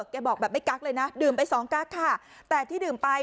แกบอกแบบไม่กั๊กเลยนะดื่มไปสองกั๊กค่ะแต่ที่ดื่มไป